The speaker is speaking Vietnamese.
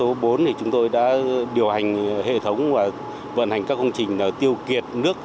từ sau cơn bão số bốn chúng tôi đã điều hành hệ thống và vận hành các công trình tiêu kiệt nước